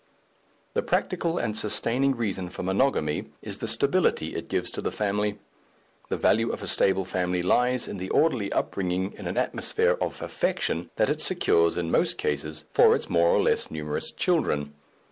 The practical and sustaining reason for monogamy is the stability it gives to the family; the value of a stable family lies in the orderly upbringing in an atmosphere of affection that it secures in most cases for its more or less numerous children.